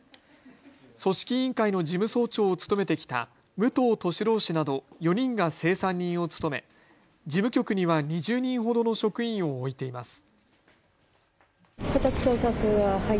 組織委員会の事務総長を務めてきた武藤敏郎氏など４人が清算人を務め、事務局には２０人ほどの職員を置いています。